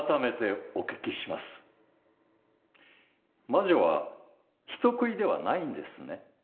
魔女は人食いではないんですね？